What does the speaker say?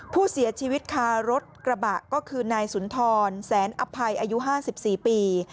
ผู้เสียชีวิตคารถกระบะก็คือนายสุนทรแสนอภัยอายุ๕๔ปี